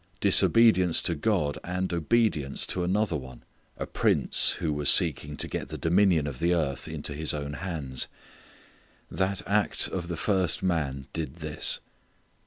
Disobedience to God, and obedience to another one, a prince who was seeking to get the dominion of the earth into his own hands. That act of the first man did this.